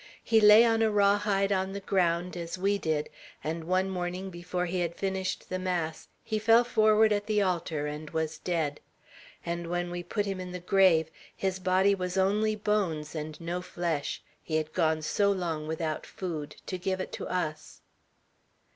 "He lay on a raw hide on the ground, as we did; and one morning, before he had finished the mass, he fell forward at the altar and was dead. And when we put him in the grave, his body was only bones, and no flesh; he had gone so long without food, to give it to us."